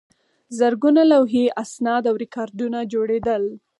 زرګونه لوحې، اسناد او ریکارډونه جوړېدل.